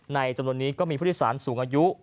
จำนวนนี้ก็มีผู้โดยสารสูงอายุ